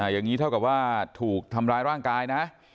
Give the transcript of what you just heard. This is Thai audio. อย่างนี้เท่ากับว่าถูกทำร้ายร่างกายนะ